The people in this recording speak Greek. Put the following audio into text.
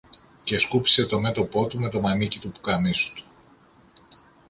και σκούπισε το μέτωπο του με το μανίκι του ποκαμίσου του